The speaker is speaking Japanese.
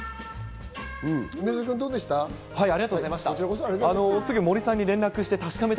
梅澤君どうでした？